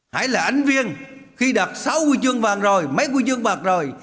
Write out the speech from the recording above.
hãy là ánh viên khi đạt sáu quy chương vàng rồi mấy quy chương bạc rồi